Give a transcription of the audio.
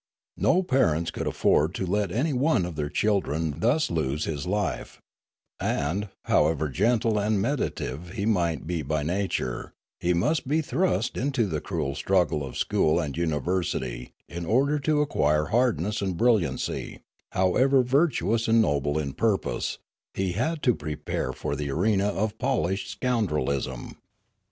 No parents could afford to let any one of their children thus lose his life; and, however gentle and meditative he might be by nature, he must be thrust into the cruel struggle of school and university in order to acquire hardness and brilliancy; however virtuous and noble in purpose, he had to prepare for the arena of polished scoundrelism.